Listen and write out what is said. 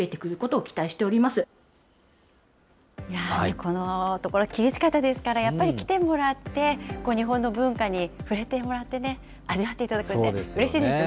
このところ、厳しかったですから、やっぱり来てもらって、日本の文化に触れてもらってね、味わっていただくって、うれしいですね。